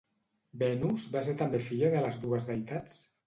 Venus va ser també filla de les dues deïtats?